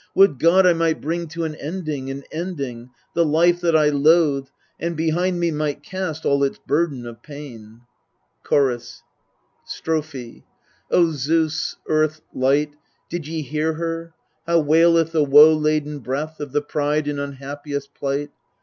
Would God I might bring to an ending, an ending, The life that I loathe, and behind me might cast all its burden of pain ! CHORUS. Strophe O Zeus, Earth, Light, did ye hear her, How waileth the woe laden breath Of the bride in unhappiest plight?